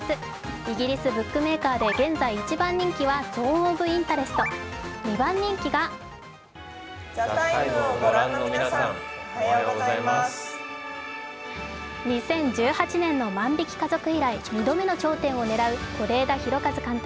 イギリスブックメーカーで現在一番人気は「ゾーン・オブ・インタレスト」、２番人気が２０１８年の「万引き家族」以来２度目の頂点を狙う、是枝裕和監督